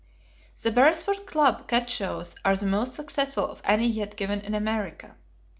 The Beresford Club Cat shows are the most successful of any yet given in America.